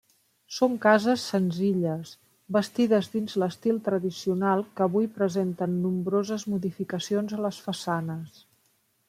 Són cases senzilles, bastides dins l'estil tradicional que avui presenten nombroses modificacions a les façanes.